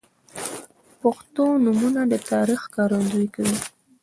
• پښتو نومونه د تاریخ ښکارندویي کوي.